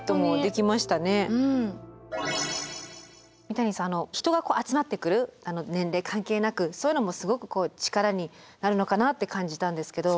三谷さん人が集まってくる年齢関係なくそういうのもすごく力になるのかなって感じたんですけど。